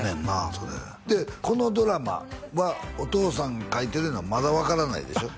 それでこのドラマはお父さんが書いてるっていうのはまだ分からないでしょ？